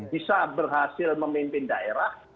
bisa berhasil memimpin daerah